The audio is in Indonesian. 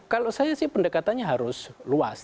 kalau saya sih pendekatannya harus luas